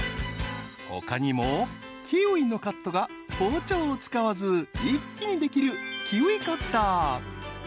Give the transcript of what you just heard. ［他にもキウイのカットが包丁を使わず一気にできる］